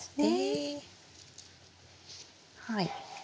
はい。